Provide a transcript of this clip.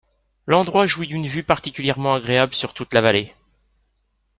L’endroit jouit d’une vue particulièrement agréable sur toute la vallée.